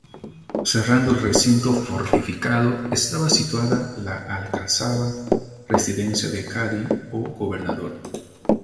Cerrando el recinto fortificado estaba situada la alcazaba, residencia del cadí o gobernador.